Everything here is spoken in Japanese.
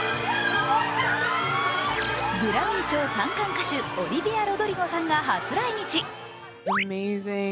グラミー賞３冠歌手オリヴィア・ロドリゴさんが初来日。